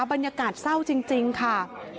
บรรยากาศเศร้าจริงค่ะ